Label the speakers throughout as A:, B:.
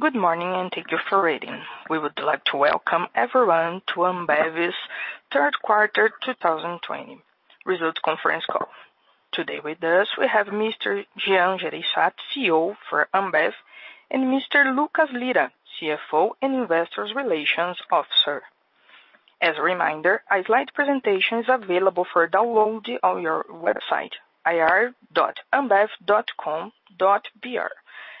A: Good morning, and thank you for waiting. We would like to welcome everyone to Ambev's third quarter 2020 results conference call. Today with us, we have Mr. Jean Jereissati, CEO for Ambev, and Mr. Lucas Lira, CFO and Investor Relations Officer. As a reminder, a slide presentation is available for download on your website, ir.ambev.com.br,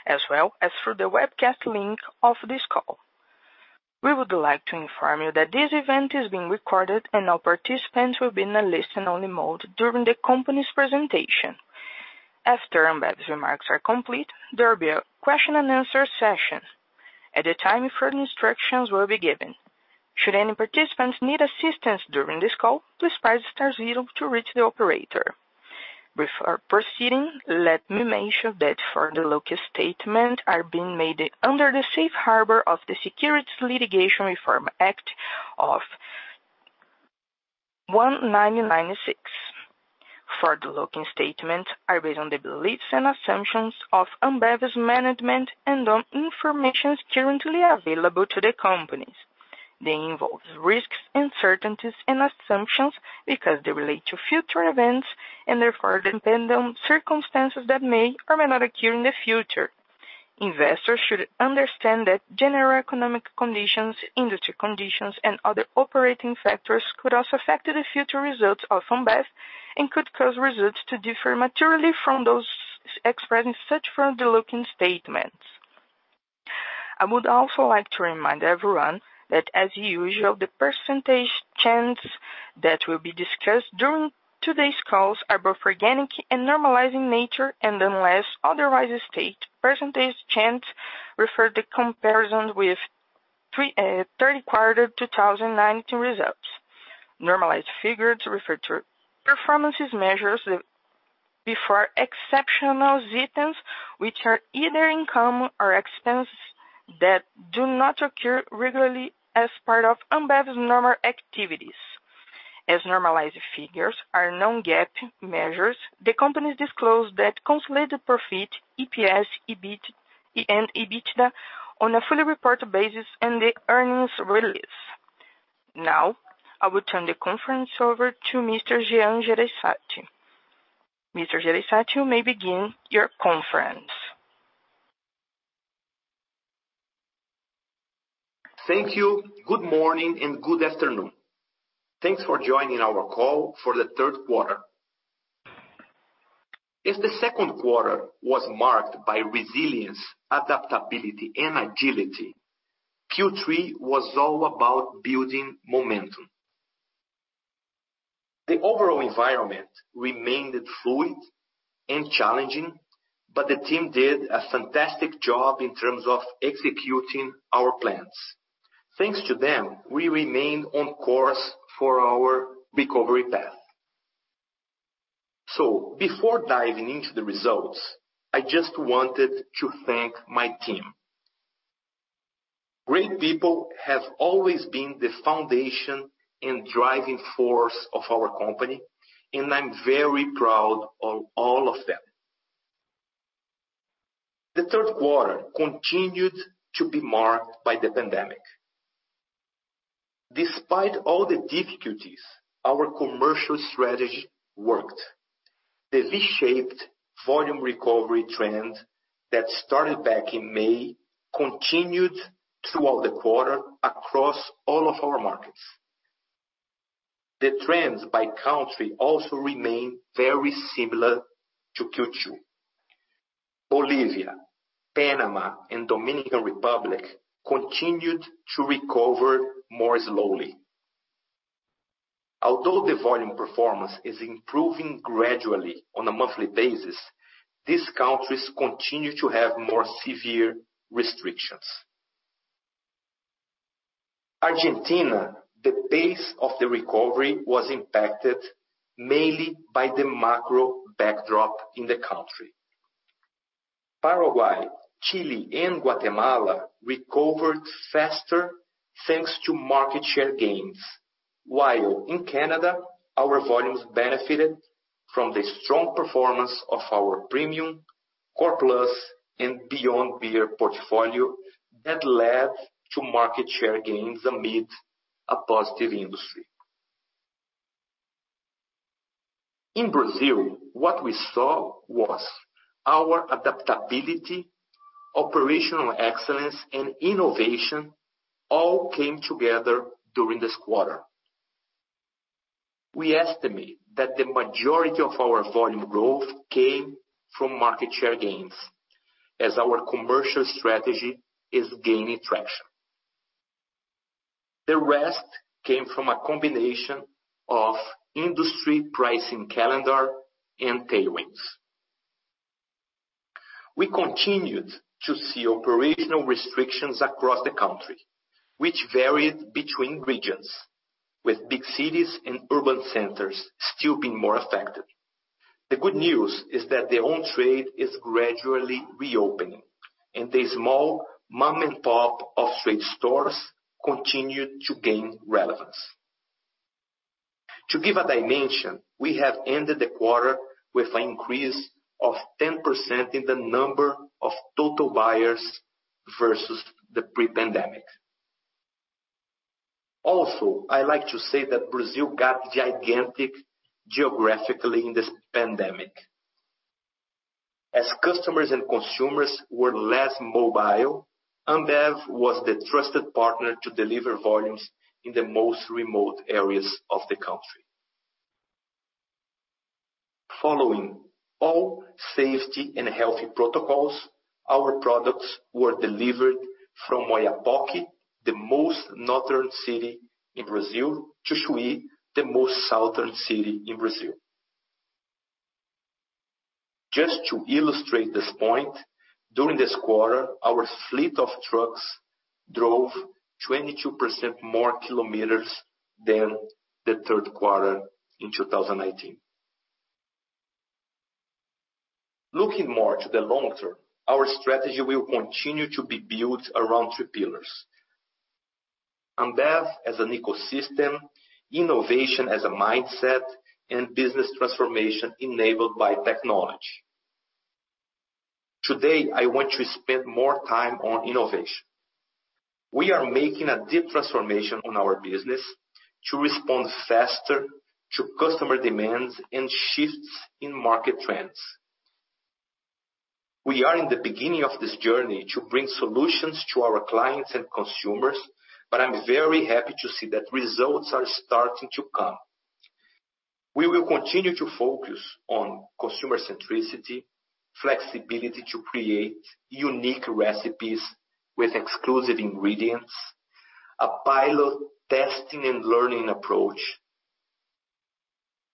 A: as well as through the webcast link of this call. We would like to inform you that this event is being recorded and all participants will be in a listen-only mode during the company's presentation. After Ambev's remarks are complete, there will be a Q&A session. At the time, further instructions will be given. Should any participants need assistance during this call, please press star zero to reach the operator. Before proceeding, let me mention that forward-looking statements are being made under the safe harbor of the Private Securities Litigation Reform Act of 1995. Forward-looking statements are based on the beliefs and assumptions of Ambev's management and on information currently available to the companies. They involve risks, uncertainties, and assumptions because they relate to future events and therefore depend on circumstances that may or may not occur in the future. Investors should understand that general economic conditions, industry conditions, and other operating factors could also affect the future results of Ambev and could cause results to differ materially from those expressed in such forward-looking statements. I would also like to remind everyone that as usual, the percentage changes that will be discussed during today's calls are both organic and normalizing nature, and unless otherwise stated, percentage changes refer to comparison with third quarter 2019 results. Normalized figures refer to performances measures before exceptional items, which are either income or expenses that do not occur regularly as part of Ambev's normal activities. As normalized figures are non-GAAP measures, the company disclose that consolidated profit, EPS, and EBITDA on a fully reported basis and the earnings release. I will turn the conference over to Mr. Jean Jereissati. Mr. Jereissati, you may begin your conference.
B: Thank you. Good morning and good afternoon. Thanks for joining our call for the third quarter. If the second quarter was marked by resilience, adaptability, and agility, Q3 was all about building momentum. The overall environment remained fluid and challenging, but the team did a fantastic job in terms of executing our plans. Thanks to them, we remain on course for our recovery path. Before diving into the results, I just wanted to thank my team. Great people have always been the foundation and driving force of our company, and I'm very proud of all of them. The third quarter continued to be marked by the pandemic. Despite all the difficulties, our commercial strategy worked. The V-shaped volume recovery trend that started back in May continued throughout the quarter across all of our markets. The trends by country also remain very similar to Q2. Bolivia, Panama, and Dominican Republic continued to recover more slowly. Although the volume performance is improving gradually on a monthly basis, these countries continue to have more severe restrictions. Argentina, the pace of the recovery was impacted mainly by the macro backdrop in the country. Paraguay, Chile, and Guatemala recovered faster, thanks to market share gains. While in Canada, our volumes benefited from the strong performance of our premium Core Plus and beyond beer portfolio that led to market share gains amid a positive industry. In Brazil, what we saw was our adaptability, operational excellence, and innovation all came together during this quarter. We estimate that the majority of our volume growth came from market share gains as our commercial strategy is gaining traction. The rest came from a combination of industry pricing calendar and tailwinds. We continued to see operational restrictions across the country, which varied between regions, with big cities and urban centers still being more affected. The good news is that the on-trade is gradually reopening, and the small mom-and-pop off-trade stores continued to gain relevance. To give a dimension, we have ended the quarter with an increase of 10% in the number of total buyers versus the pre-pandemic. I like to say that Brazil got gigantic geographically in this pandemic. As customers and consumers were less mobile, Ambev was the trusted partner to deliver volumes in the most remote areas of the country. Following all safety and healthy protocols, our products were delivered from Oiapoque, the most northern city in Brazil, to Chuí, the most southern city in Brazil. Just to illustrate this point, during this quarter, our fleet of trucks drove 22% more kilometers than the third quarter in 2019. Looking more to the long term, our strategy will continue to be built around three pillars: Ambev as an ecosystem, innovation as a mindset, and business transformation enabled by technology. Today, I want to spend more time on innovation. We are making a deep transformation on our business to respond faster to customer demands and shifts in market trends. We are in the beginning of this journey to bring solutions to our clients and consumers, but I'm very happy to see that results are starting to come. We will continue to focus on consumer centricity, flexibility to create unique recipes with exclusive ingredients, a pilot testing and learning approach,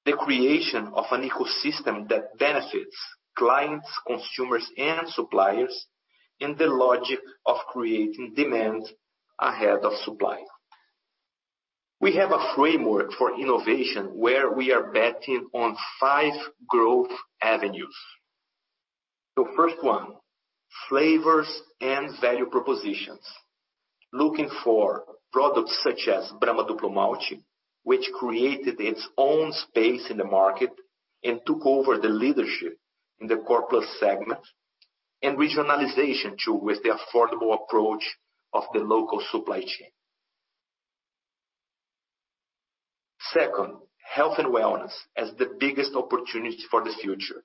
B: the creation of an ecosystem that benefits clients, consumers, and suppliers, and the logic of creating demand ahead of supply. We have a framework for innovation where we are betting on five growth avenues. First one, flavors and value propositions. Looking for products such as Brahma Duplo Malte, which created its own space in the market and took over the leadership in the Core Plus segment, and regionalization too, with the affordable approach of the local supply chain. Second, health and wellness as the biggest opportunity for the future.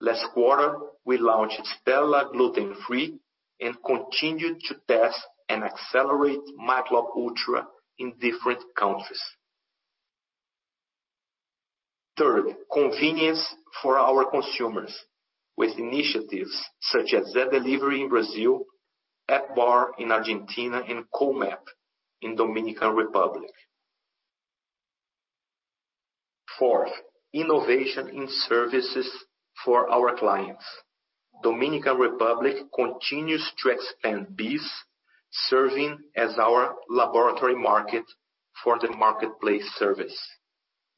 B: Last quarter, we launched Stella Gluten Free and continued to test and accelerate Michelob ULTRA in different countries. Third, convenience for our consumers with initiatives such as Zé Delivery in Brazil, Appbar in Argentina, and Comat in Dominican Republic. Fourth, innovation in services for our clients. Dominican Republic continues to expand this, serving as our laboratory market for the marketplace service.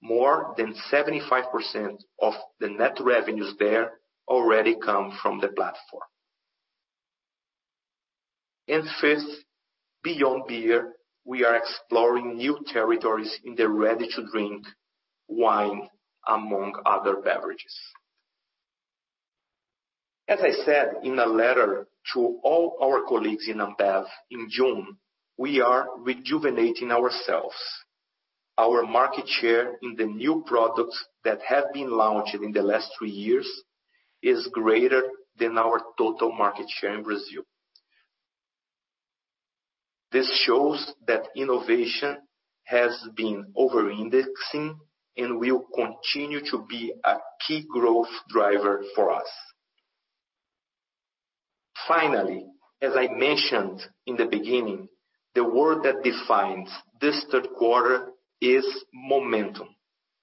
B: More than 75% of the net revenues there already come from the platform. Fifth, beyond beer, we are exploring new territories in the ready-to-drink wine, among other beverages. As I said in a letter to all our colleagues in Ambev in June, we are rejuvenating ourselves. Our market share in the new products that have been launched within the last three years is greater than our total market share in Brazil. This shows that innovation has been over-indexing and will continue to be a key growth driver for us. Finally, as I mentioned in the beginning, the word that defines this third quarter is momentum.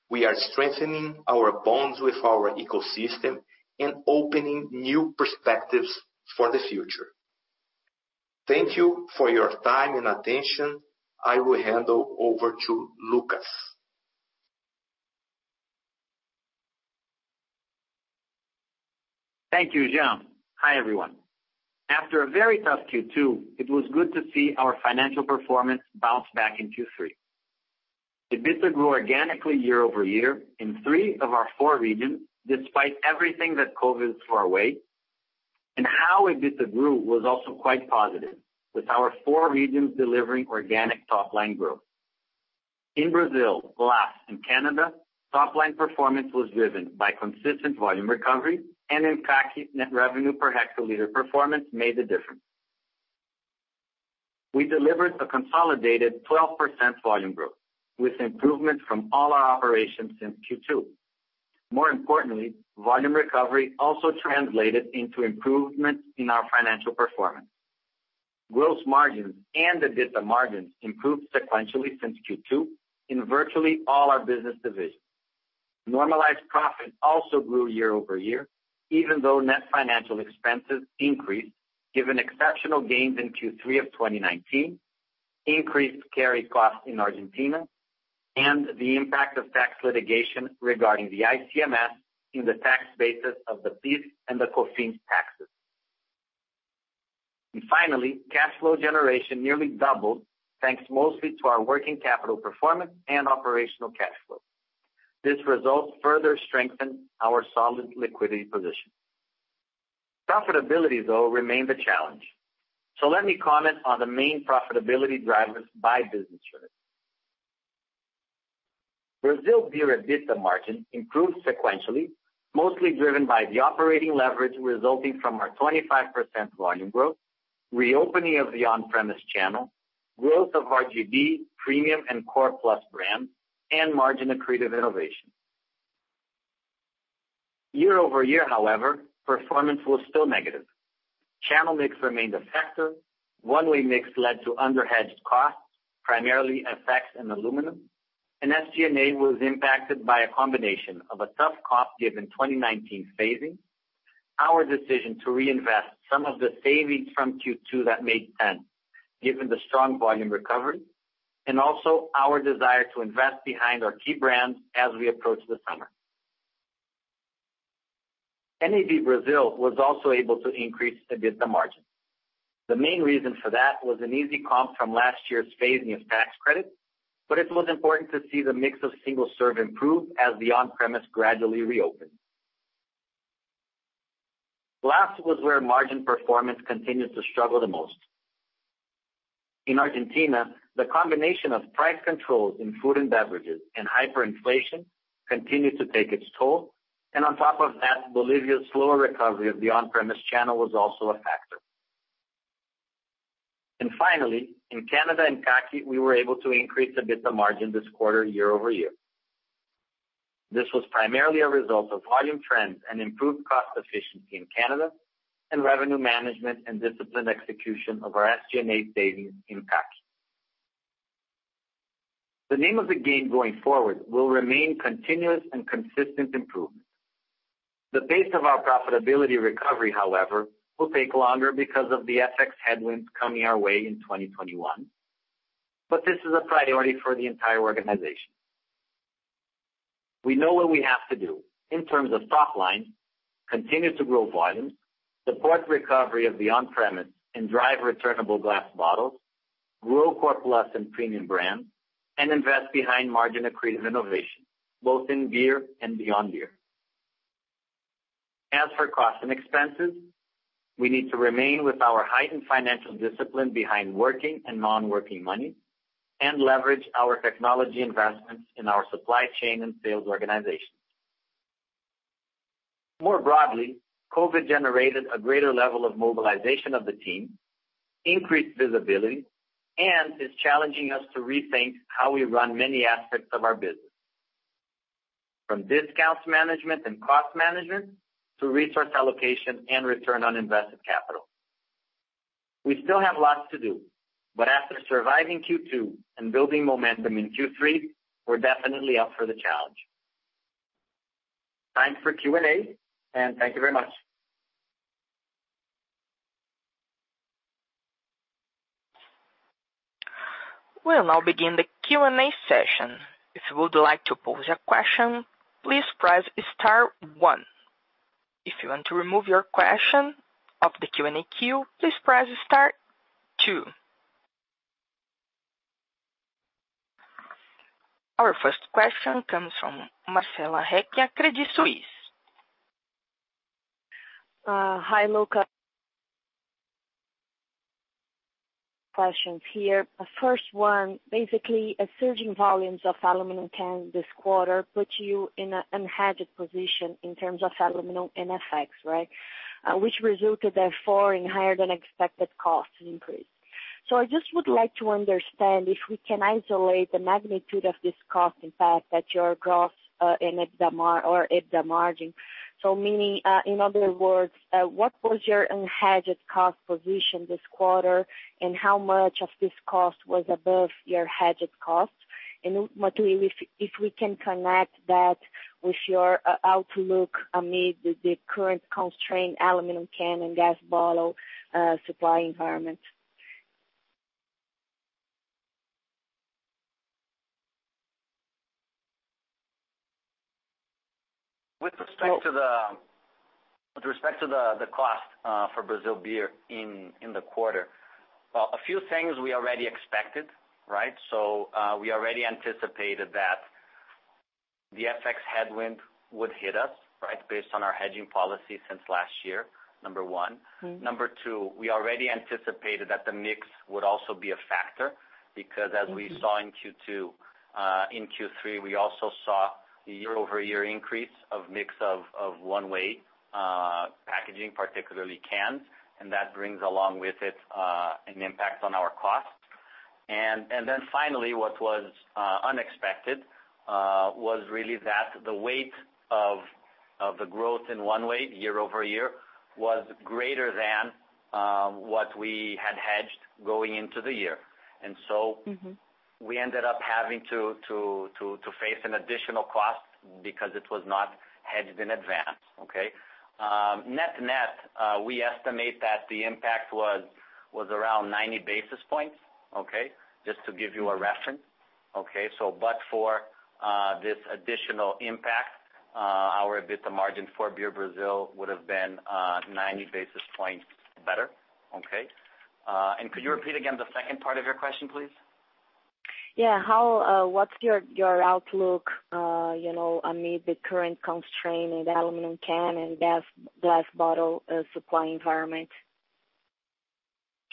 B: We are strengthening our bonds with our ecosystem and opening new perspectives for the future. Thank you for your time and attention. I will hand over to Lucas.
C: Thank you, Jean. Hi, everyone. After a very tough Q2, it was good to see our financial performance bounce back in Q3. EBITDA grew organically year-over-year in three of our four regions, despite everything that COVID threw our way. How EBITDA grew was also quite positive, with our four regions delivering organic top line growth. In Brazil, LAS, and Canada, top line performance was driven by consistent volume recovery and impact net revenue per hectoliter performance made the difference. We delivered a consolidated 12% volume growth, with improvement from all our operations since Q2. More importantly, volume recovery also translated into improvement in our financial performance. Gross margin and the EBITDA margin improved sequentially since Q2 in virtually all our business divisions. Normalized profit also grew year-over-year, even though net financial expenses increased given exceptional gains in Q3 2019, increased carry costs in Argentina, and the impact of tax litigation regarding the ICMS in the tax basis of the PIS and the COFINS taxes. Finally, cash flow generation nearly doubled, thanks mostly to our working capital performance and operational cash flow. This result further strengthened our solid liquidity position. Profitability, though, remained a challenge. Let me comment on the main profitability drivers by business unit. Brazil beer EBITDA margin improved sequentially, mostly driven by the operating leverage resulting from our 25% volume growth, reopening of the on-trade channel, growth of our GB premium and Core Plus brands, and margin-accretive innovation. Year-over-year, however, performance was still negative. Channel mix remained a factor. One-way mix led to under-hedged costs, primarily FX in aluminum, and SG&A was impacted by a combination of a tough cost given 2019 phasing, our decision to reinvest some of the savings from Q2 that made sense given the strong volume recovery, and also our desire to invest behind our key brands as we approach the summer. Ambev Brazil was also able to increase EBITDA margin. The main reason for that was an easy comp from last year's phasing of tax credits, but it was important to see the mix of single-serve improve as the on-trade gradually reopened. LAS was where margin performance continued to struggle the most. In Argentina, the combination of price controls in food and beverages and hyperinflation continued to take its toll. On top of that, Bolivia's slower recovery of the on-trade channel was also a factor. Finally, in Canada and CAC, we were able to increase EBITDA margin this quarter year-over-year. This was primarily a result of volume trends and improved cost efficiency in Canada, and revenue management and disciplined execution of our SG&A savings in CAC. The name of the game going forward will remain continuous and consistent improvement. The pace of our profitability recovery, however, will take longer because of the FX headwinds coming our way in 2021. This is a priority for the entire organization. We know what we have to do in terms of top line, continue to grow volumes, support recovery of the on-premise, and drive returnable glass bottles, grow Core Plus and premium brands, and invest behind margin-accretive innovation, both in beer and beyond beer. As for costs and expenses, we need to remain with our heightened financial discipline behind working and non-working money and leverage our technology investments in our supply chain and sales organizations. More broadly, COVID generated a greater level of mobilization of the team, increased visibility, and is challenging us to rethink how we run many aspects of our business, from discounts management and cost management to resource allocation and return on invested capital. We still have lots to do, but after surviving Q2 and building momentum in Q3, we're definitely up for the challenge. Time for Q&A, and thank you very much.
A: We'll now begin the Q&A session. If you would like to pose a question, please press star one. If you want to remove your question off the Q&A queue, please press star two. Our first question comes from Marcella Recchia, Credit Suisse.
D: Hi, Lucas. Questions here. First one, a surging volumes of aluminum cans this quarter put you in an unhedged position in terms of aluminum and FX, right, which resulted, therefore, in higher than expected cost increase. I just would like to understand if we can isolate the magnitude of this cost impact at your growth or EBITDA margin. Meaning, in other words, what was your unhedged cost position this quarter, and how much of this cost was above your hedged cost? Ultimately, if we can connect that with your outlook amid the current constrained aluminum can and glass bottle supply environment.
C: With respect to the cost for Brazil beer in the quarter. A few things we already expected. We already anticipated that the FX headwind would hit us based on our hedging policy since last year, number one. Number two, we already anticipated that the mix would also be a factor, because as we saw in Q2, in Q3, we also saw a year-over-year increase of mix of one-way packaging, particularly cans, and that brings along with it an impact on our cost. Finally, what was unexpected was really that the weight of the growth in one way year-over-year was greater than what we had hedged going into the year. We ended up having to face an additional cost because it was not hedged in advance. Okay? Net-net, we estimate that the impact was around 90 basis points, just to give you a reference. For this additional impact, our EBITDA margin for beer Brazil would've been 90 basis points better. Could you repeat again the second part of your question, please?
D: Yeah. What's your outlook amid the current constraint in the aluminum can and glass bottle supply environment?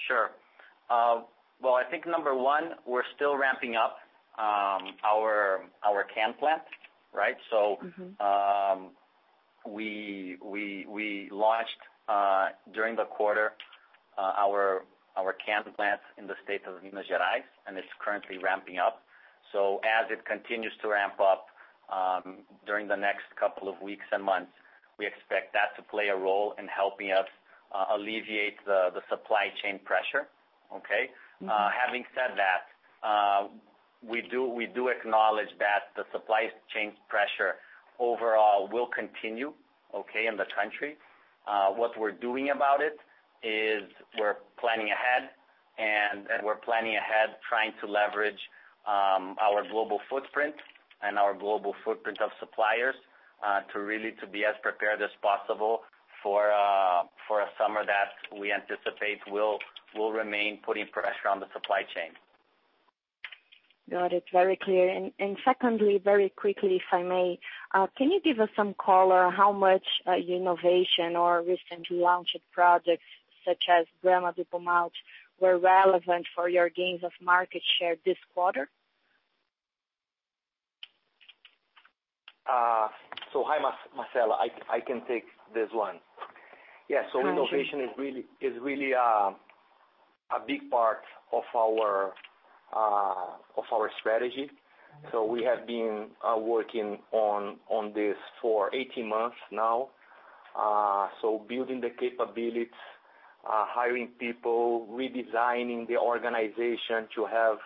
C: Sure. I think number one, we're still ramping up our can plant, right? We launched, during the quarter, our can plant in the state of Minas Gerais, and it's currently ramping up. As it continues to ramp up during the next couple of weeks and months, we expect that to play a role in helping us alleviate the supply chain pressure. Okay? Having said that, we do acknowledge that the supply chain pressure overall will continue in the country. What we're doing about it is we're planning ahead, and we're planning ahead trying to leverage our global footprint and our global footprint of suppliers to really be as prepared as possible for a summer that we anticipate will remain putting pressure on the supply chain.
D: Got it. Very clear. Secondly, very quickly, if I may. Can you give us some color how much innovation or recently launched projects such as Brahma Duplo Malte were relevant for your gains of market share this quarter?
B: Hi, Marcella. I can take this one. Yeah. Innovation is really a big part of our strategy. We have been working on this for 18 months now. Building the capabilities, hiring people, redesigning the organization to have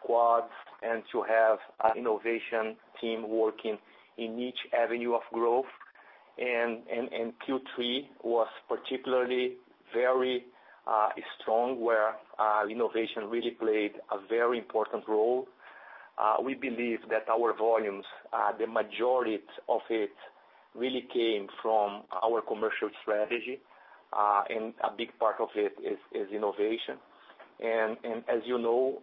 B: squads and to have an innovation team working in each avenue of growth. Q3 was particularly very strong where innovation really played a very important role. We believe that our volumes, the majority of it really came from our commercial strategy. A big part of it is innovation. As you know,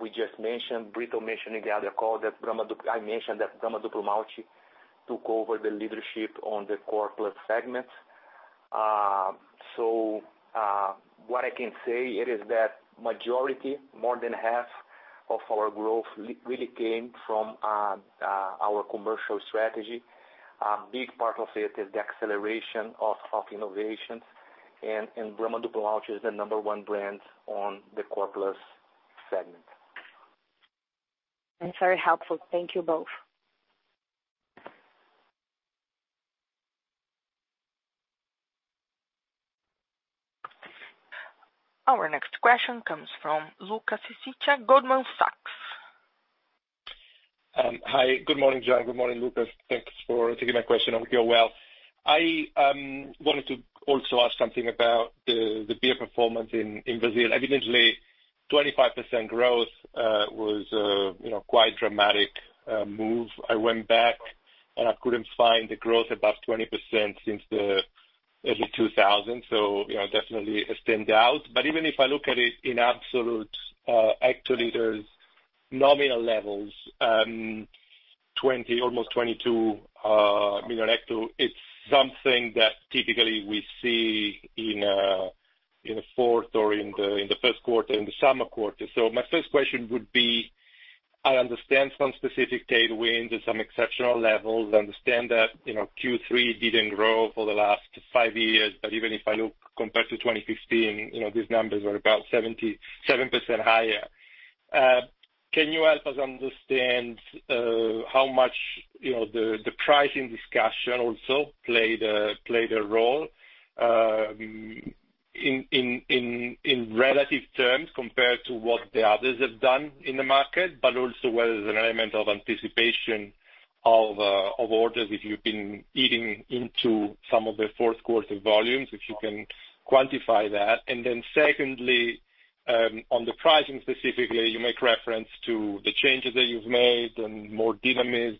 B: we just mentioned, Brito mentioned in the other call, I mentioned that Brahma Duplo Malte took over the leadership on the Core Plus segment. What I can say it is that majority, more than half of our growth really came from our commercial strategy. A big part of it is the acceleration of innovations and Brahma Duplo Malte is the number one brand on the Core Plus segment.
D: That's very helpful. Thank you both.
A: Our next question comes from Luca Cipiccia, Goldman Sachs.
E: Hi. Good morning, Jean. Good morning, Lucas. Thanks for taking my question. I hope you're well. I wanted to also ask something about the beer performance in Brazil. Evidently, 25% growth was quite a dramatic move. I went back, I couldn't find the growth above 20% since the early 2000s, definitely it stands out. Even if I look at it in absolute hectoliters nominal levels, 20, almost 22 million hecto, it's something that typically we see in the fourth or in the first quarter, in the summer quarter. My first question would be, I understand some specific tailwinds and some exceptional levels. I understand that Q3 didn't grow for the last five years. Even if I look compared to 2015, these numbers are about 7% higher. Can you help us understand how much the pricing discussion also played a role in relative terms compared to what the others have done in the market, but also whether there's an element of anticipation of orders if you've been eating into some of the fourth quarter volumes, if you can quantify that? Secondly, on the pricing specifically, you make reference to the changes that you've made and more dynamics.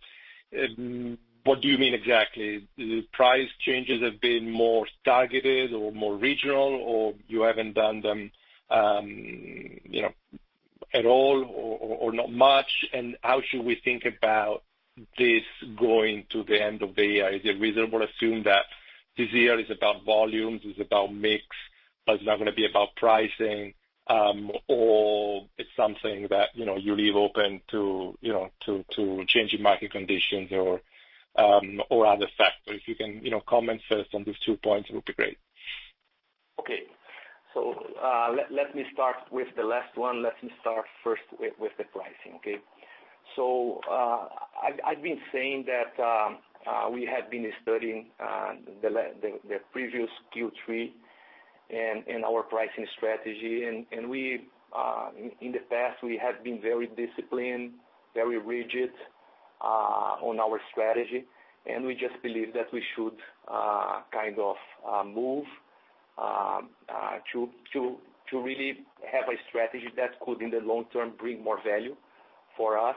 E: What do you mean exactly? The price changes have been more targeted or more regional, or you haven't done them at all or not much, and how should we think about this going to the end of the year? Is it reasonable to assume that this year is about volumes, it's about mix, but it's not going to be about pricing, or it's something that you leave open to changing market conditions or other factors? If you can comment first on these two points, it would be great.
B: Okay. Let me start with the last one. Let me start first with the pricing, okay. I've been saying that we have been studying the previous Q3 and our pricing strategy. In the past, we have been very disciplined, very rigid on our strategy, and we just believe that we should kind of move to really have a strategy that could, in the long term, bring more value for us.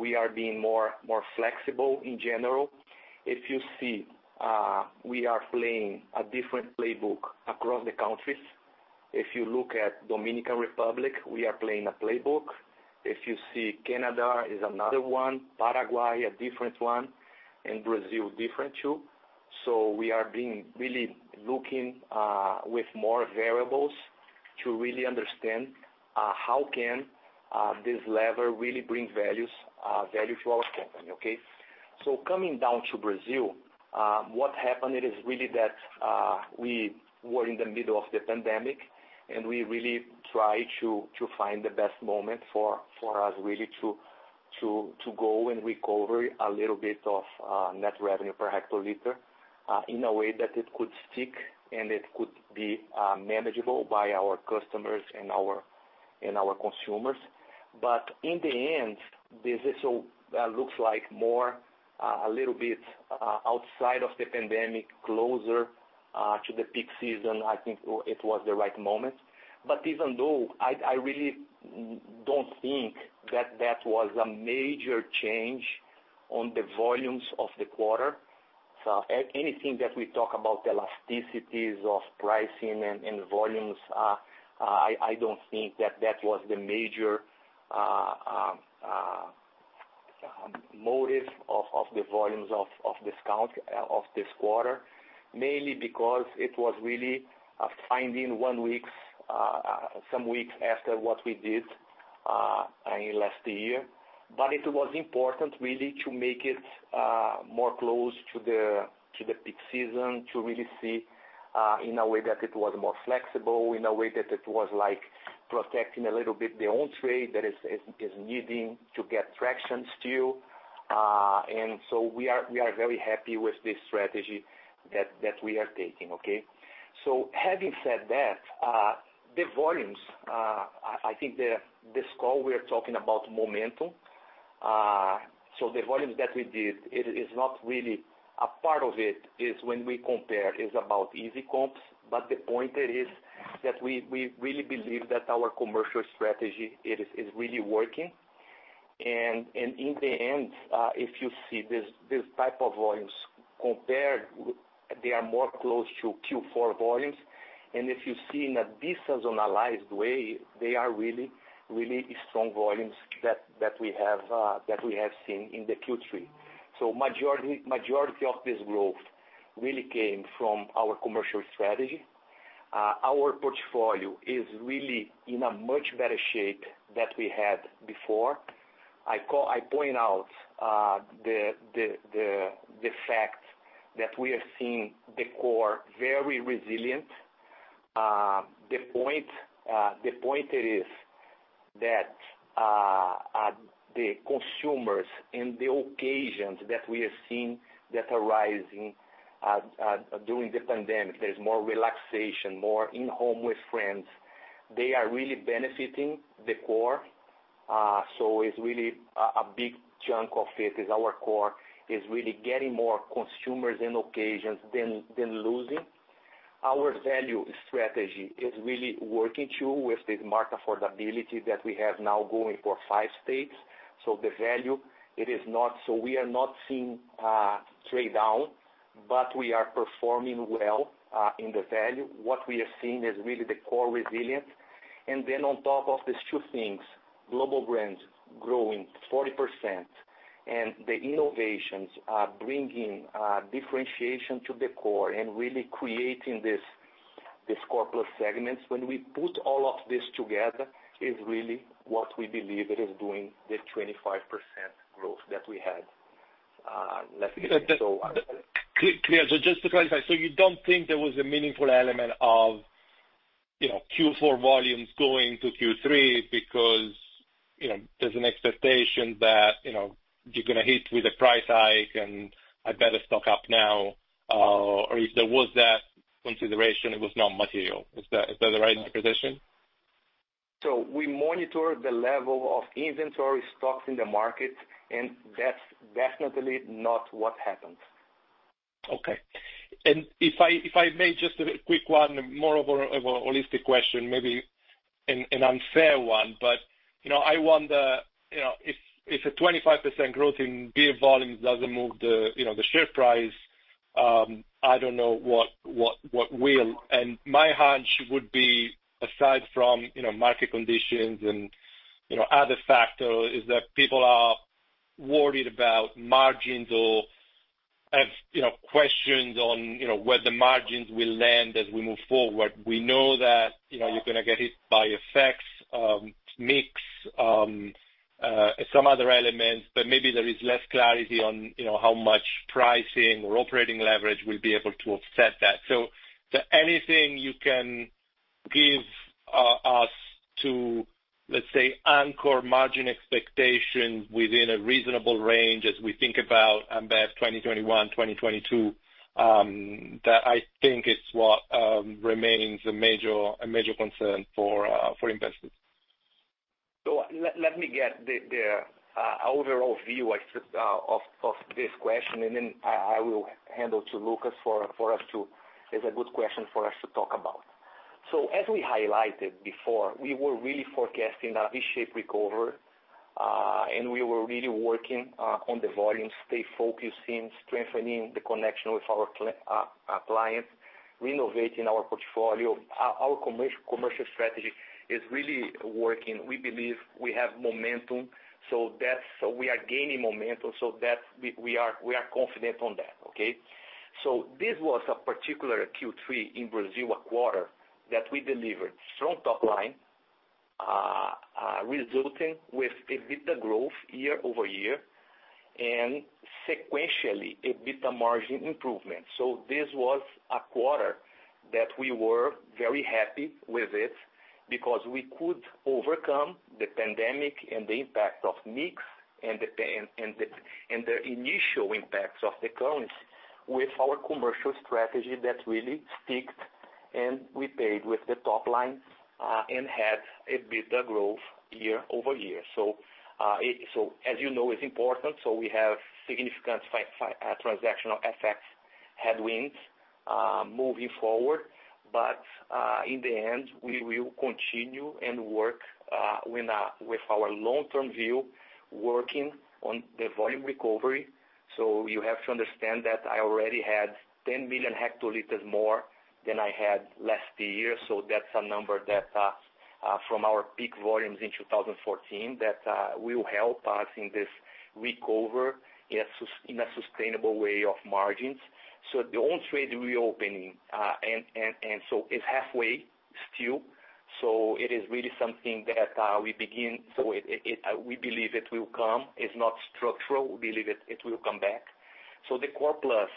B: We are being more flexible in general. If you see, we are playing a different playbook across the countries. If you look at Dominican Republic, we are playing a playbook. If you see Canada is another one, Paraguay, a different one, and Brazil, different too. We are really looking with more variables to really understand how can this lever really bring value to our company, okay? Coming down to Brazil, what happened it is really that we were in the middle of the pandemic, and we really try to find the best moment for us really to go and recover a little bit of net revenue per hectoliter in a way that it could stick, and it could be manageable by our customers and our consumers. In the end, this looks like more a little bit outside of the pandemic, closer to the peak season, I think it was the right moment. Even though, I really don't think that that was a major change on the volumes of the quarter. Anything that we talk about elasticities of pricing and volumes, I don't think that that was the major motive of the volumes of this quarter. Mainly because it was really finding some weeks after what we did in last year. It was important really to make it more close to the peak season to really see, in a way that it was more flexible, in a way that it was protecting a little bit the on-trade that is needing to get traction still. We are very happy with this strategy that we are taking, okay. Having said that, the volumes, I think this call, we're talking about momentum. The volumes that we did, a part of it is when we compare, it's about easy comps. The point it is that we really believe that our commercial strategy is really working. In the end, if you see this type of volumes compared, they are more close to Q4 volumes. If you see in a de-seasonalized way, they are really strong volumes that we have seen in the Q3. Majority of this growth really came from our commercial strategy. Our portfolio is really in a much better shape that we had before. I point out the fact that we are seeing the Core very resilient. The point it is that the consumers and the occasions that we are seeing that arising during the pandemic, there's more relaxation, more in-home with friends. They are really benefiting the Core. It's really a big chunk of it is our Core is really getting more consumers and occasions than losing. Our Value strategy is really working, too, with this market affordability that we have now going for five states. We are not seeing trade down, but we are performing well in the Value. What we are seeing is really the Core resilience. On top of these two things, global brands growing 40% and the innovations are bringing differentiation to the core and really creating these Core Plus segments. We put all of this together, it's really what we believe it is doing the 25% growth that we had last year.
E: Clear. Just to clarify, you don't think there was a meaningful element of Q4 volumes going to Q3 because there's an expectation that you're going to hit with a price hike and I better stock up now? If there was that consideration, it was not material. Is that the right interpretation?
B: We monitor the level of inventory stocks in the market, and that's definitely not what happened.
E: Okay. If I may, just a quick one, more of a holistic question, maybe an unfair one, but I wonder, if a 25% growth in beer volumes doesn't move the share price, I don't know what will. My hunch would be, aside from market conditions and other factors, is that people are worried about margins or have questions on where the margins will land as we move forward. We know that you're going to get hit by FX, mix, some other elements, but maybe there is less clarity on how much pricing or operating leverage will be able to offset that. Anything you can give us to, let's say, anchor margin expectations within a reasonable range as we think about Ambev 2021, 2022, that I think is what remains a major concern for investors
B: Let me get the overall view of this question and then I will hand over to Lucas. It's a good question for us to talk about. As we highlighted before, we were really forecasting that V-shaped recovery, and we were really working on the volume, stay focused in strengthening the connection with our clients, renovating our portfolio. Our commercial strategy is really working. We believe we have momentum. We are gaining momentum. We are confident on that, okay? This was a particular Q3 in Brazil, a quarter that we delivered strong top line, resulting with a better growth year-over-year and sequentially a better margin improvement. This was a quarter that we were very happy with it because we could overcome the pandemic and the impact of mix and the initial impacts of the currency with our commercial strategy that really sticked, and we paid with the top line, and had a better growth year-over-year. As you know, it's important, so we have significant transactional FX headwinds, moving forward. In the end, we will continue and work with our long-term view, working on the volume recovery. You have to understand that I already had 10 million hectoliters more than I had last year. That's a number that from our peak volumes in 2014 that will help us in this recover in a sustainable way of margins. The on-trade reopening, and so it's halfway still. It is really something that So we believe it will come. It is not structural. We believe it will come back. The Core Plus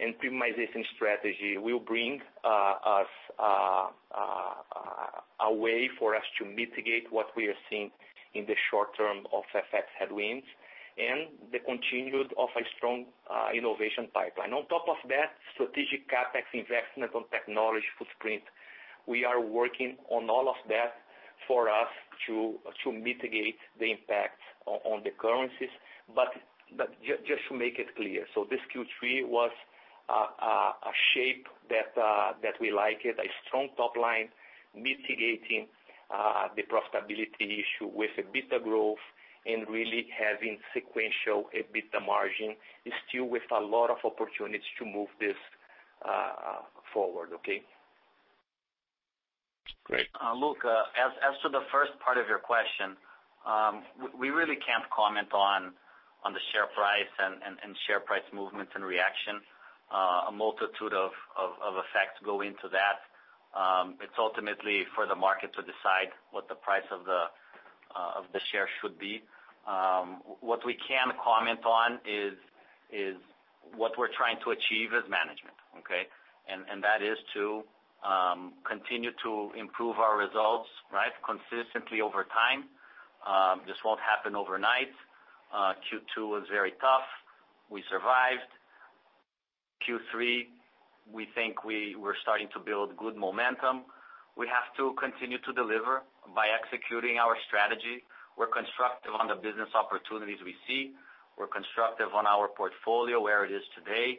B: and premiumization strategy will bring us a way for us to mitigate what we are seeing in the short term of FX headwinds and the continued of a strong innovation pipeline. On top of that, strategic CapEx investment on technology footprint. We are working on all of that for us to mitigate the impact on the currencies. Just to make it clear, this Q3 was a shape that we like it, a strong top line mitigating the profitability issue with a better growth and really having sequential EBITDA margin is still with a lot of opportunities to move this forward, okay?
E: Great.
C: Look, as to the first part of your question, we really can't comment on the share price and share price movement and reaction. A multitude of effects go into that. It's ultimately for the market to decide what the price of the share should be. What we can comment on is what we're trying to achieve as management, okay. That is to continue to improve our results, right. Consistently over time. This won't happen overnight. Q2 was very tough. We survived. Q3, we think we're starting to build good momentum. We have to continue to deliver by executing our strategy. We're constructive on the business opportunities we see. We're constructive on our portfolio, where it is today.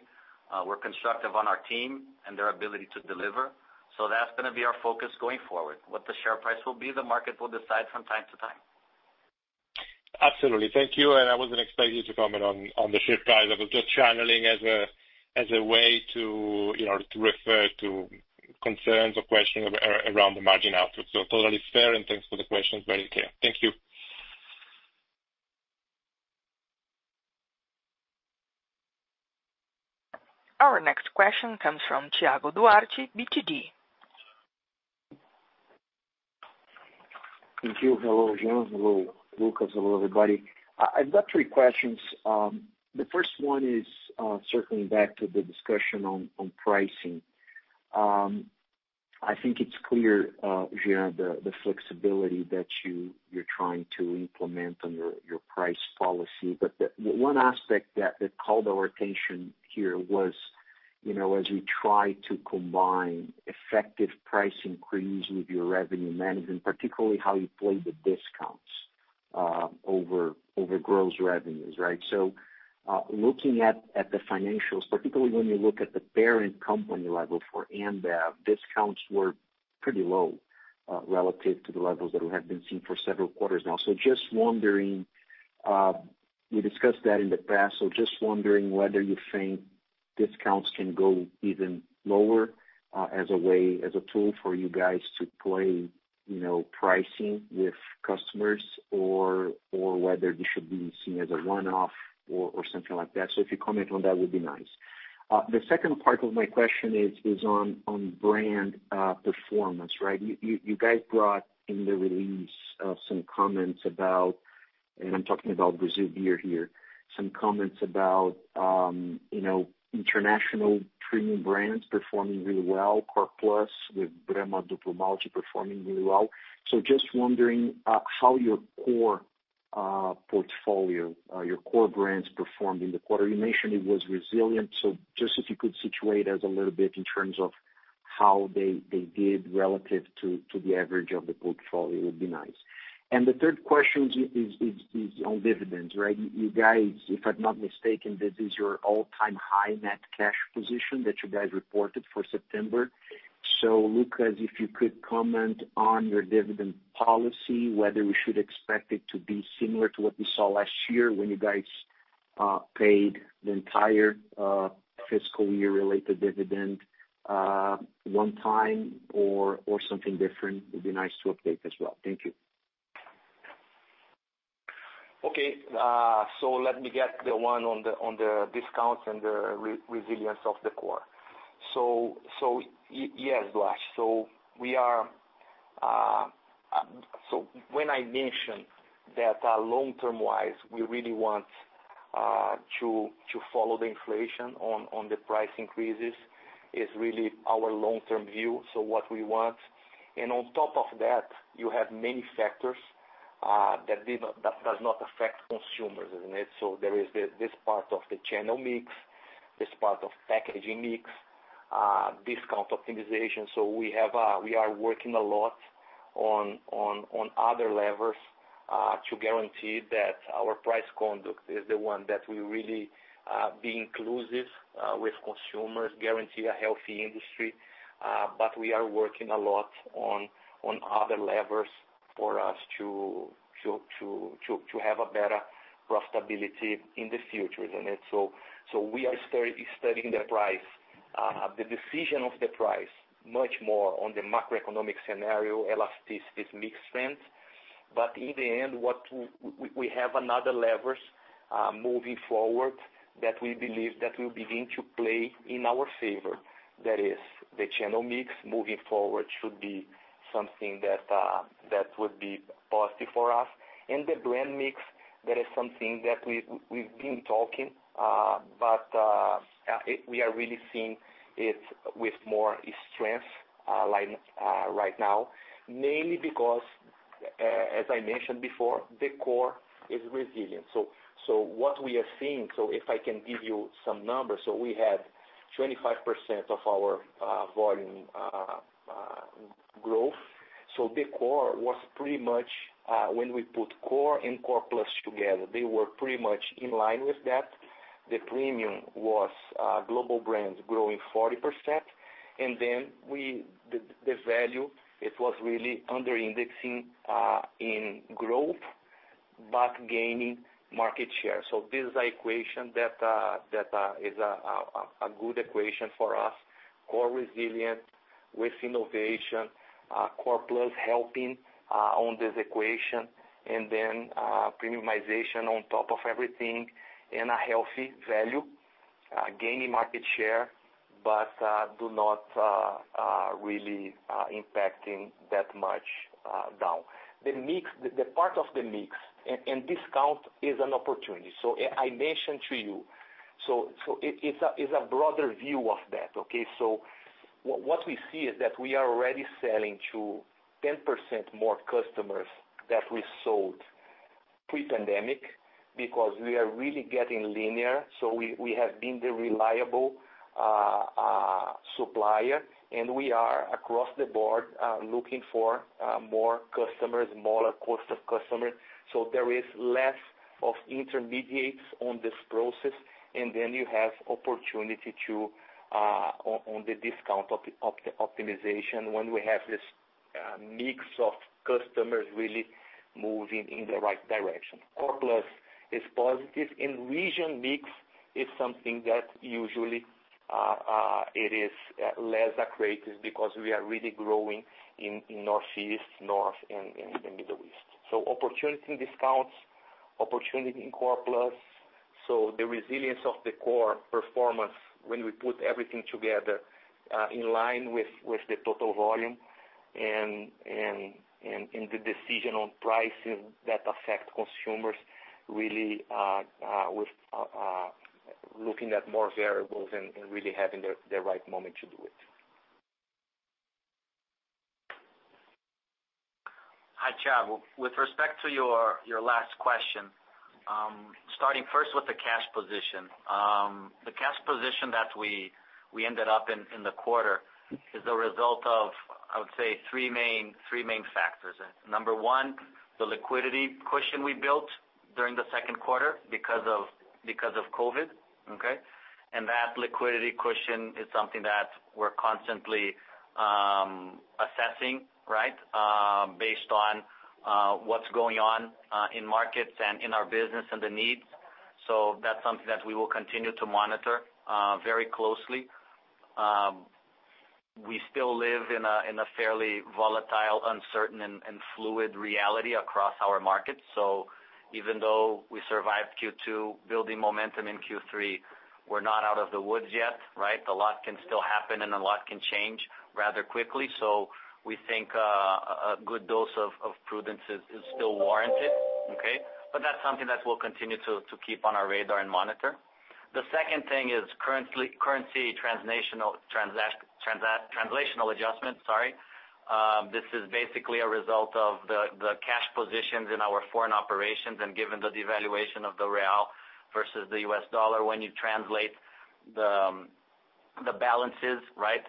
C: We're constructive on our team and their ability to deliver. That's gonna be our focus going forward. What the share price will be, the market will decide from time to time.
E: Absolutely. Thank you. I wasn't expecting you to comment on the share price. I was just channeling as a way to refer to concerns or questions around the margin outlook. Totally fair, and thanks for the questions, very clear. Thank you.
A: Our next question comes from Thiago Duarte, BTG.
F: Thank you. Hello, Jean. Hello, Lucas. Hello, everybody. I've got three questions. The first one is circling back to the discussion on pricing. I think it's clear, Jean, the flexibility that you're trying to implement on your price policy. The one aspect that called our attention here was, as you try to combine effective price increase with your revenue management, particularly how you play the discounts over gross revenues, right? Looking at the financials, particularly when you look at the parent company level for Ambev, discounts were pretty low relative to the levels that we have been seeing for several quarters now. Just wondering, we discussed that in the past, just wondering whether you think discounts can go even lower as a way, as a tool for you guys to play pricing with customers or whether this should be seen as a one-off or something like that. If you comment on that would be nice. The second part of my question is on brand performance, right? You guys brought in the release of some comments about, and I'm talking about Brazil beer here, some comments about international premium brands performing really well, Core Plus with Brahma, Duplo performing really well. Just wondering how your core portfolio, your core brands performed in the quarter. You mentioned it was resilient. Just if you could situate us a little bit in terms of how they did relative to the average of the portfolio would be nice. The third question is on dividends, right? You guys, if I'm not mistaken, this is your all-time high net cash position that you guys reported for September. Lucas, if you could comment on your dividend policy, whether we should expect it to be similar to what we saw last year when you guys paid the entire fiscal year related dividend one time or something different, it'd be nice to update as well. Thank you.
B: Okay. Let me get the one on the discounts and the resilience of the core. Yes, Blash. When I mentioned that long-term wise, we really want to follow the inflation on the price increases, is really our long-term view. What we want, and on top of that, you have many factors that does not affect consumers, isn't it? There is this part of the channel mix, this part of packaging mix, discount optimization. We are working a lot on other levers, to guarantee that our price conduct is the one that will really be inclusive with consumers, guarantee a healthy industry. We are working a lot on other levers for us to have a better profitability in the future, isn't it? We are studying the price, the decision of the price, much more on the macroeconomic scenario, elasticity, mix trends. In the end, we have another levers moving forward that we believe that will begin to play in our favor. That is, the channel mix moving forward should be something that would be positive for us. The brand mix, that is something that we've been talking, but we are really seeing it with more strength right now, mainly because, as I mentioned before, the Core is resilient. What we are seeing, if I can give you some numbers, we had 25% of our volume growth. The Core was pretty much, when we put Core and Core Plus together, they were pretty much in line with that. The premium was Global Brands growing 40%. The value was really under indexing in growth, but gaining market share. This is an equation that is a good equation for us. Core resilient with innovation, Core Plus helping on this equation and then premiumization on top of everything and a healthy value, gaining market share, but do not really impacting that much down. The part of the mix and discount is an opportunity. I mentioned to you, so it's a broader view of that, okay? What we see is that we are already selling to 10% more customers that we sold pre-pandemic because we are really getting linear. We have been the reliable supplier, and we are across the board, looking for more customers, more cost of customers. There is less of intermediates on this process, and then you have opportunity to, on the discount optimization when we have this mix of customers really moving in the right direction. Core Plus is positive and region mix is something that usually it is less accretive because we are really growing in Northeast, North and in the Midwest. Opportunity in discounts, opportunity in Core Plus. The resilience of the core performance when we put everything together, in line with the total volume and the decision on pricing that affect consumers really with looking at more variables and really having the right moment to do it.
C: Hi, Thiago. With respect to your last question, starting first with the cash position. The cash position that we ended up in in the quarter is the result of, I would say three main factors. Number one, the liquidity cushion we built during the second quarter because of COVID, okay? That liquidity cushion is something that we're constantly assessing, based on what's going on in markets and in our business and the needs. That's something that we will continue to monitor very closely. We still live in a fairly volatile, uncertain and fluid reality across our markets. Even though we survived Q2, building momentum in Q3, we're not out of the woods yet, right? A lot can still happen, and a lot can change rather quickly. We think a good dose of prudence is still warranted, okay? That's something that we'll continue to keep on our radar and monitor. The second thing is currency translational adjustment, sorry. This is basically a result of the cash positions in our foreign operations and given the devaluation of the real versus the U.S. dollar. When you translate the balances,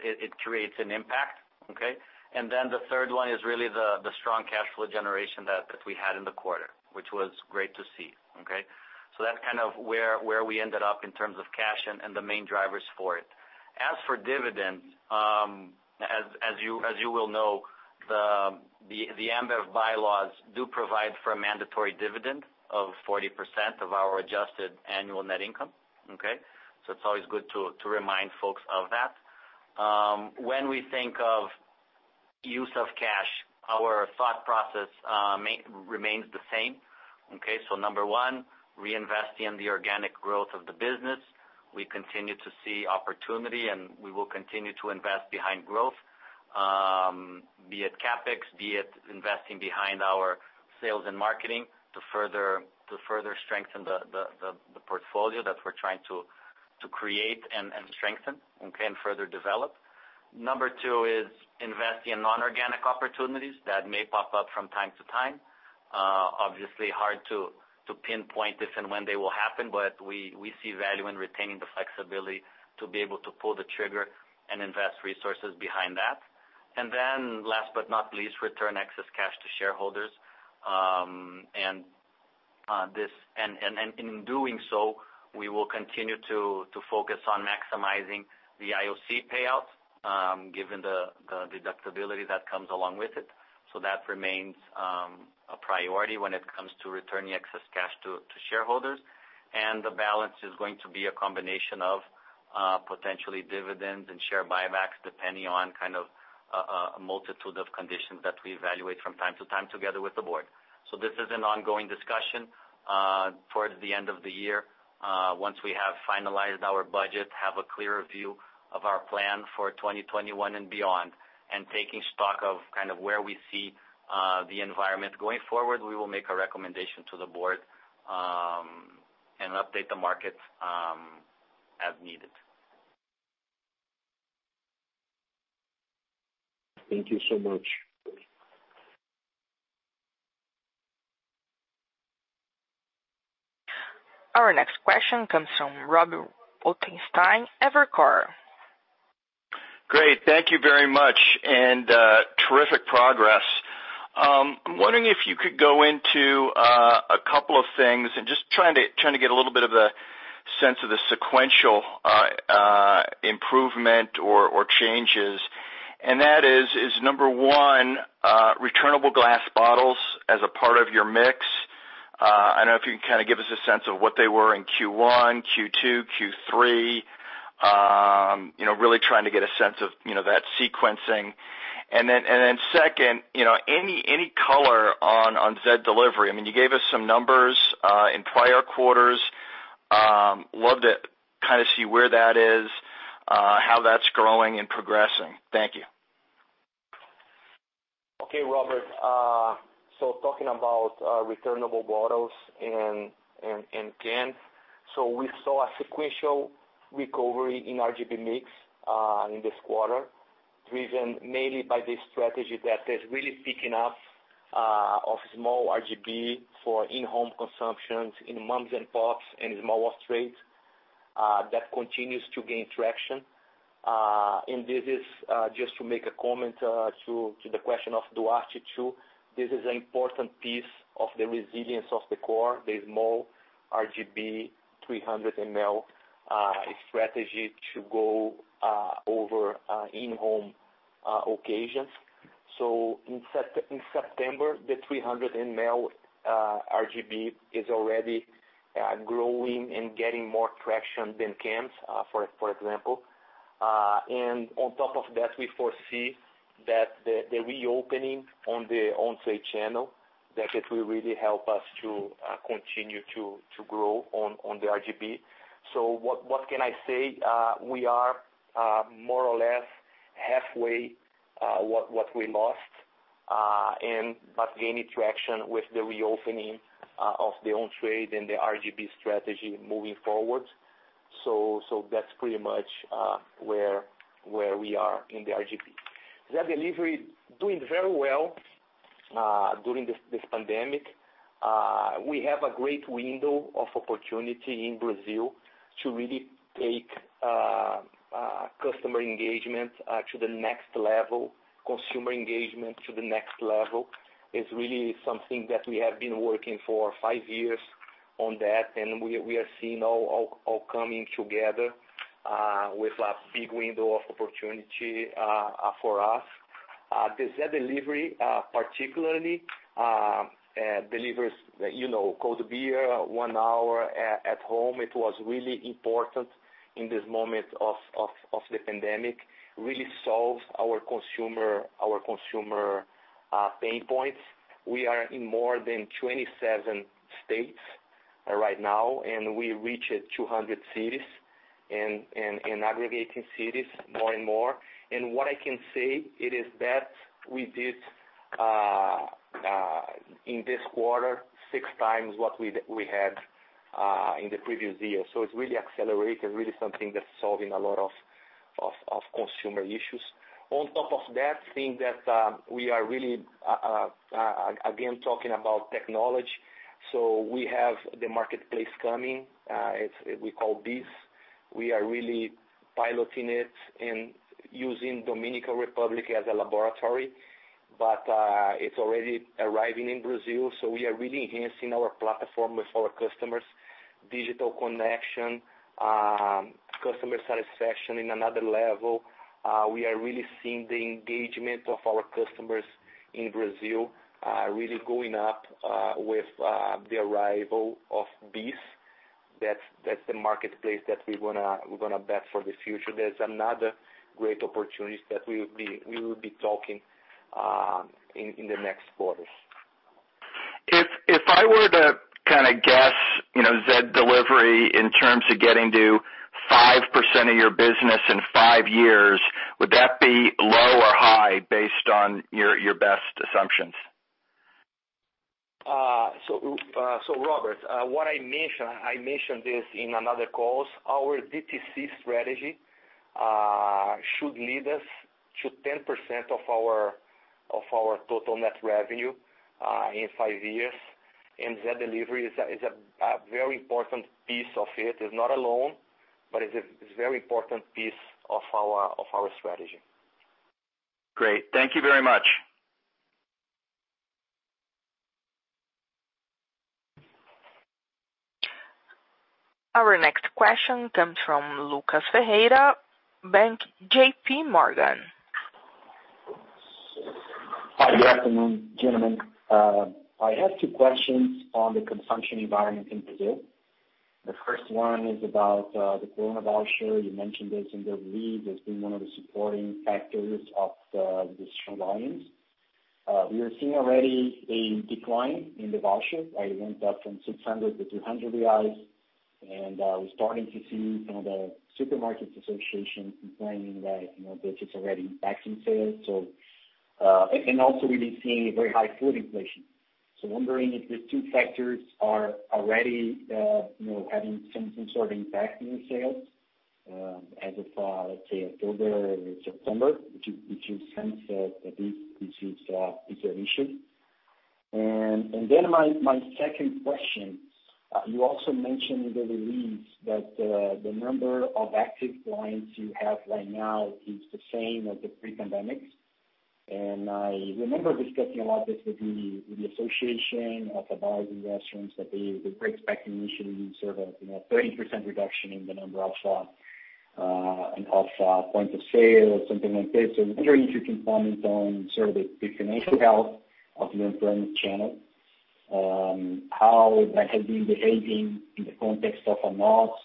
C: it creates an impact, okay? The third one is really the strong cash flow generation that we had in the quarter, which was great to see, okay? That's kind of where we ended up in terms of cash and the main drivers for it. As for dividends, as you will know, the Ambev bylaws do provide for a mandatory dividend of 40% of our adjusted annual net income, okay? It's always good to remind folks of that. When we think of use of cash, our thought process remains the same, okay? Number one, reinvesting in the organic growth of the business. We continue to see opportunity, and we will continue to invest behind growth, be it CapEx, be it investing behind our sales and marketing to further strengthen the portfolio that we're trying to create and strengthen, and further develop. Number two is investing in non-organic opportunities that may pop up from time to time. Obviously hard to pinpoint if and when they will happen, but we see value in retaining the flexibility to be able to pull the trigger and invest resources behind that. Last but not least, return excess cash to shareholders. In doing so, we will continue to focus on maximizing the IOC payouts, given the deductibility that comes along with it. That remains a priority when it comes to returning excess cash to shareholders. The balance is going to be a combination of potentially dividends and share buybacks, depending on kind of a multitude of conditions that we evaluate from time to time together with the board. This is an ongoing discussion. Towards the end of the year, once we have finalized our budget, have a clearer view of our plan for 2021 and beyond, and taking stock of kind of where we see the environment going forward, we will make a recommendation to the board, and update the market as needed.
F: Thank you so much.
A: Our next question comes from Robert Ottenstein, Evercore.
G: Great. Thank you very much. Terrific progress. I'm wondering if you could go into a couple of things and just trying to get a little bit of a sense of the sequential improvement or changes. That is, number one, returnable glass bottles as a part of your mix. I don't know if you can kind of give us a sense of what they were in Q1, Q2, Q3. Really trying to get a sense of that sequencing. Second, any color on Zé Delivery. You gave us some numbers in prior quarters. Love to kind of see where that is, how that's growing and progressing. Thank you.
B: Okay, Robert. Talking about returnable bottles and cans. We saw a sequential recovery in RGB mix in this quarter, driven mainly by the strategy that is really picking up of small RGB for in-home consumptions in moms and pops and smaller trades. That continues to gain traction. This is just to make a comment to the question of Duarte too. This is an important piece of the resilience of the core, the small RGB 300 ml strategy to go over in-home occasions. In September, the 300 ml RGB is already growing and getting more traction than cans, for example. On top of that, we foresee that the reopening on the on-trade channel, that it will really help us to continue to grow on the RGB. What can I say? We are more or less halfway what we lost, gaining traction with the reopening of the on-trade and the RGB strategy moving forward. That's pretty much where we are in the RGB. Zé Delivery doing very well during this pandemic. We have a great window of opportunity in Brazil to really take customer engagement to the next level. Consumer engagement to the next level is really something that we have been working for five years on that, and we are seeing all coming together with a big window of opportunity for us. The Zé Delivery particularly delivers cold beer, one hour at home. It was really important in this moment of the pandemic, really solves our consumer pain points. We are in more than 27 states right now, and we reached 200 cities and aggregating cities more and more. What I can say it is that we did in this quarter six times what we had in the previous year. It's really accelerated, really something that's solving a lot of. Of consumer issues. On top of that, seeing that we are really, again, talking about technology. We have the marketplace coming, we call BEES. We are really piloting it and using Dominican Republic as a laboratory. It's already arriving in Brazil, we are really enhancing our platform with our customers. Digital connection, customer satisfaction in another level. We are really seeing the engagement of our customers in Brazil really going up with the arrival of BEES. That's the marketplace that we're going to bet for the future. There's another great opportunity that we will be talking in the next quarters.
G: If I were to kind of guess, Zé Delivery in terms of getting to 5% of your business in five years, would that be low or high based on your best assumptions?
B: Robert, what I mentioned, I mentioned this in another calls. Our DTC strategy should lead us to 10% of our total net revenue in five years. Zé Delivery is a very important piece of it. It's not alone, but it's a very important piece of our strategy.
G: Great. Thank you very much.
A: Our next question comes from Lucas Ferreira, Bank JPMorgan.
H: Hi. Good afternoon, gentlemen. I have two questions on the consumption environment in Brazil. The first one is about the corona voucher. You mentioned this in the lead as being one of the supporting factors of the strong volumes. We are seeing already a decline in the voucher. It went up from 600 to 300 reais. We're starting to see some of the supermarkets association complaining that this is already impacting sales. We've been seeing very high food inflation. Wondering if these two factors are already having some sort of impact in sales, as of, let's say October or September, which is since this is an issue. My second question. You also mentioned in the release that the number of active clients you have right now is the same as the pre-pandemic. I remember discussing a lot this with the association of the bars and restaurants, that they were expecting initially sort of 30% reduction in the number of points of sale or something like this. I was wondering if you can comment on sort of the financial health of the on-premise channel, how that has been behaving in the context of a loss,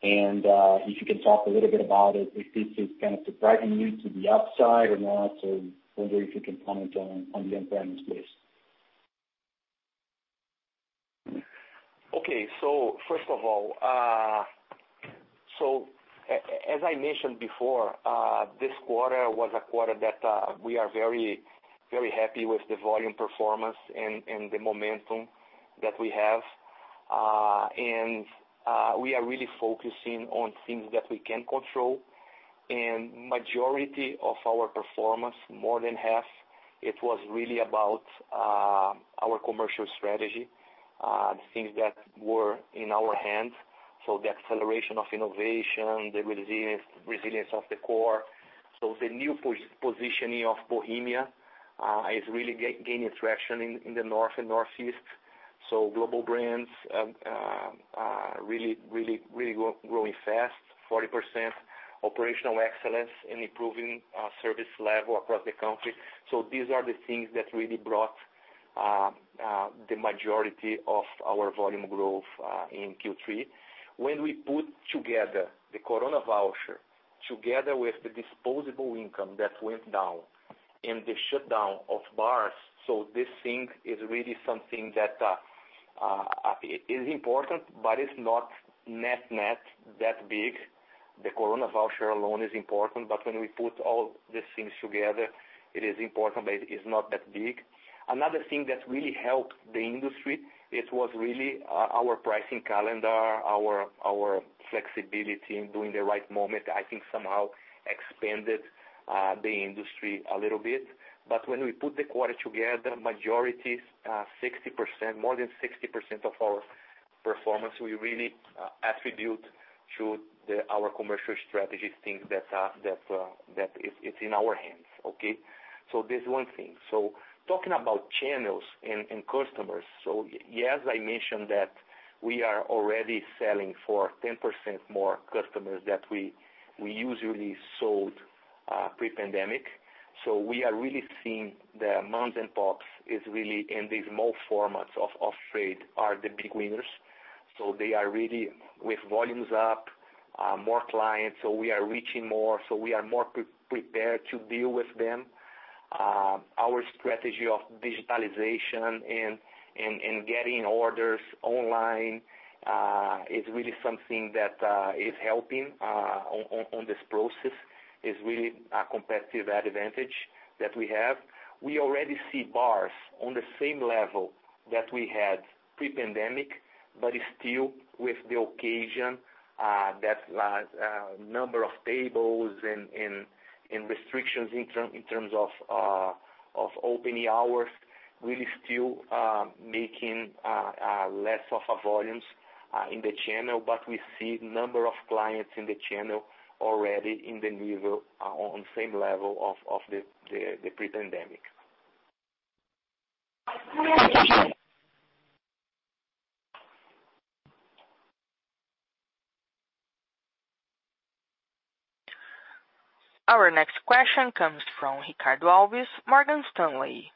H: and if you can talk a little bit about it, if this is kind of surprising you to the upside or not. Wondering if you can comment on the on-premise space.
B: Okay. First of all, as I mentioned before, this quarter was a quarter that we are very happy with the volume performance and the momentum that we have. We are really focusing on things that we can control. Majority of our performance, more than half, it was really about our commercial strategy, the things that were in our hands. The acceleration of innovation, the resilience of the core. The new positioning of Bohemia is really gaining traction in the North and Northeast. Global Brands are really growing fast, 40%. Operational excellence and improving service level across the country. These are the things that really brought the majority of our volume growth in Q3. When we put together the Corona voucher, together with the disposable income that went down and the shutdown of bars. This thing is really something that is important, but it's not net that big. The Corona voucher alone is important, but when we put all these things together, it is important, but it's not that big. Another thing that really helped the industry, it was really our pricing calendar, our flexibility in doing the right moment, I think somehow expanded the industry a little bit. When we put the quarter together, majority, more than 60% of our performance, we really attribute to our commercial strategy things that it's in our hands. Okay. That's one thing. Talking about channels and customers. Yes, I mentioned that we are already selling for 10% more customers that we usually sold pre-pandemic. We are really seeing the mom-and-pops is really in these small formats of trade are the big winners. They are really with volumes up, more clients, we are reaching more, we are more prepared to deal with them. Our strategy of digitalization and getting orders online is really something that is helping on this process, is really a competitive advantage that we have. We already see bars on the same level that we had pre-pandemic, still with the occasion that number of tables and restrictions in terms of opening hours, really still making less of a volumes in the channel. We see number of clients in the channel already on the same level of the pre-pandemic.
A: Our next question comes from Ricardo Alves, Morgan Stanley.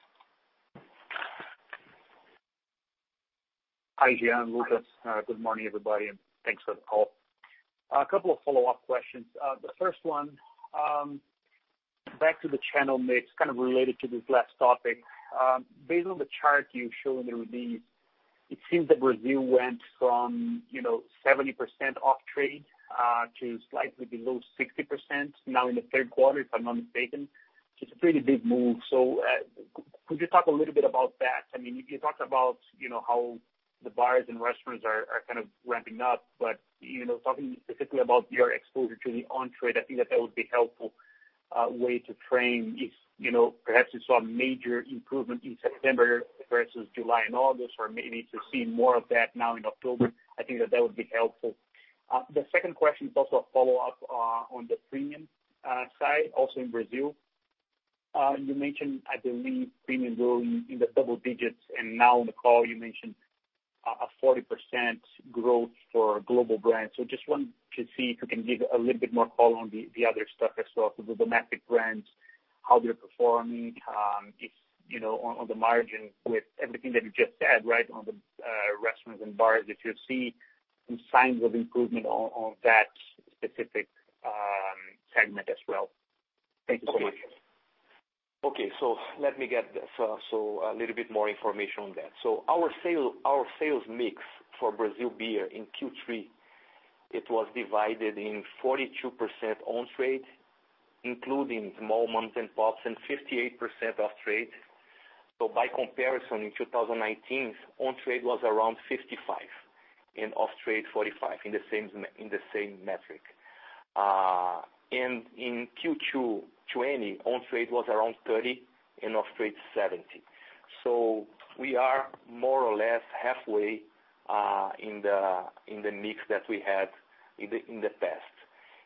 I: Hi, Jean, Lucas. Good morning, everybody, and thanks for the call. A couple of follow-up questions. The first one, back to the channel mix, kind of related to this last topic. Based on the chart you've shown there with me, it seems that Brazil went from 70% off-trade to slightly below 60% now in the third quarter, if I'm not mistaken, which is a pretty big move. Could you talk a little bit about that? You talked about how the bars and restaurants are kind of ramping up, but talking specifically about your exposure to the on-trade, I think that that would be helpful way to frame if perhaps you saw a major improvement in September versus July and August or maybe to see more of that now in October. I think that that would be helpful. The second question is also a follow-up on the premium side, also in Brazil. You mentioned, I believe premium growing in the double digits, and now on the call you mentioned a 40% growth for Global Brands. Just wanted to see if you can give a little bit more color on the other stuff as well, so the domestic brands, how they're performing on the margin with everything that you just said on the restaurants and bars, if you're seeing some signs of improvement on that specific segment as well. Thank you so much.
B: Okay. Let me get a little bit more information on that. Our sales mix for Brazil beer in Q3, it was divided in 42% on-trade, including small mom-and-pops, and 58% off-trade. By comparison, in 2019, on-trade was around 55% and off-trade 45% in the same metric. In Q2 2020, on-trade was around 30% and off-trade 70%. We are more or less halfway in the mix that we had in the past.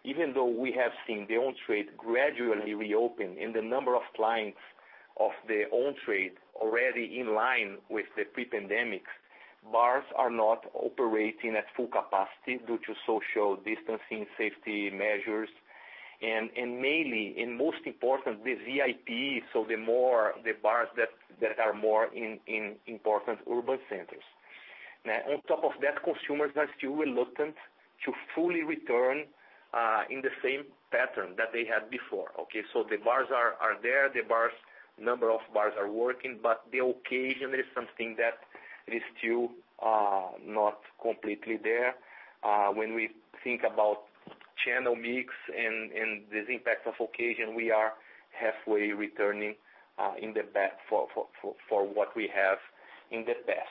B: Even though we have seen the on-trade gradually reopen and the number of clients of the on-trade already in line with the pre-pandemic, bars are not operating at full capacity due to social distancing safety measures. Mainly, and most important, the VIP, so the bars that are more in important urban centers. On top of that, consumers are still reluctant to fully return in the same pattern that they had before. The bars are there, the number of bars are working, the occasion is something that is still not completely there. When we think about channel mix and this impact of occasion, we are halfway returning for what we have in the past.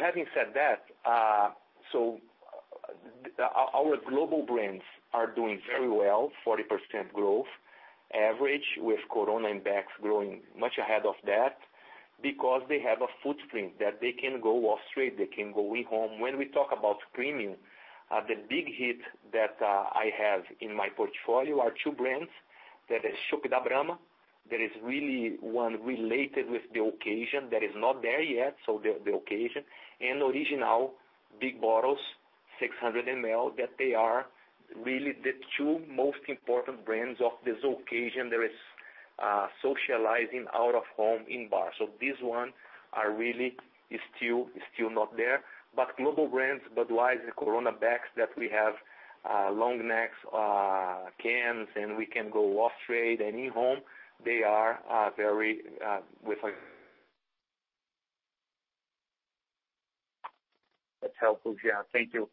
B: Having said that, our global brands are doing very well, 40% growth average with Corona and Beck's growing much ahead of that because they have a footprint that they can go off-trade, they can go in home. When we talk about premium, the big hit that I have in my portfolio are two brands. That is Chopp da Brahma. That is really one related with the occasion that is not there yet, so the occasion. Original big bottles, 600 ml, that they are really the two most important brands of this occasion. There is socializing out of home in bars. These one are really still not there. Global brands, Budweiser, Corona, Beck's that we have long necks, cans, and we can go off-trade and in home, they are very with us.
I: That's helpful, Jean. Thank you.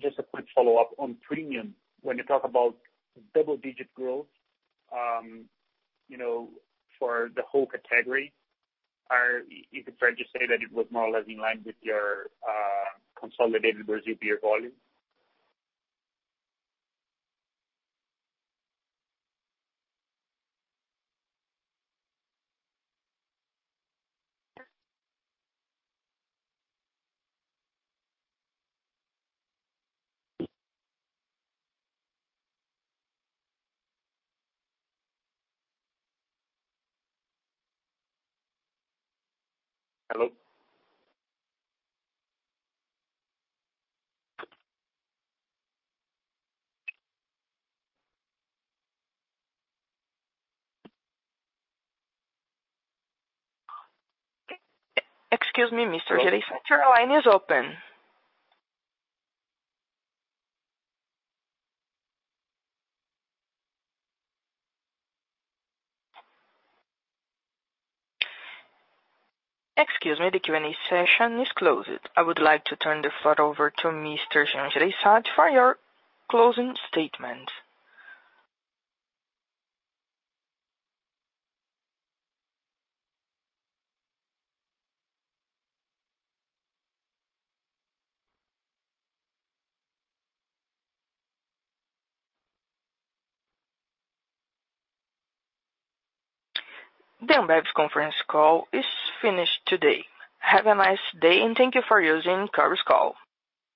I: Just a quick follow-up on premium. When you talk about double-digit growth for the whole category, is it fair to say that it was more or less in line with your consolidated Brazil beer volume? Hello?
A: Excuse me, Mr. Jereissati. Your line is open. Excuse me. The Q&A session is closed. I would like to turn the floor over to Mr. Jean for your closing statement. The Ambev conference call is finished today.